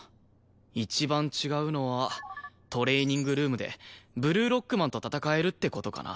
一番違うのはトレーニングルームでブルーロックマンと戦えるって事かな。